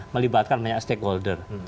melibatkan banyak stakeholder